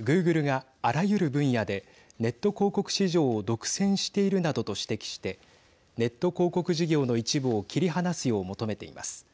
グーグルがあらゆる分野でネット広告市場を独占しているなどと指摘してネット広告事業の一部を切り離すよう求めています。